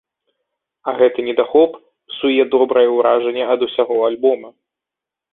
А гэты недахоп псуе добрае ўражанне ад усяго альбома.